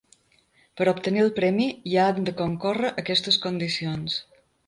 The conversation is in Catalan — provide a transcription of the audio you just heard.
Per a obtenir el premi, hi han de concórrer aquestes condicions.